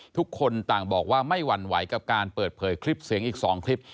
ทุกคนต่างบอกว่าไม่หวั่นไหวกับการเปิดเผยคลิปเสียงอีก๒คลิป